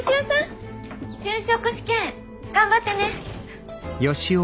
就職試験頑張ってね！